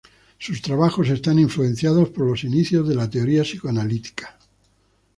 Sus trabajos están influenciados por los inicios de la teoría psicoanalítica.